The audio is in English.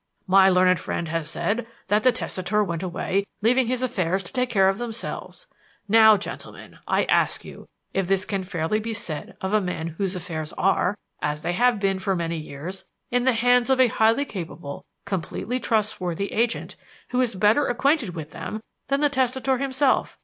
"My learned friend has said that the testator went away leaving his affairs to take care of themselves. Now, gentlemen, I ask you if this can fairly be said of a man whose affairs are, as they have been for many years, in the hands of a highly capable, completely trustworthy agent who is better acquainted with them than the testator himself?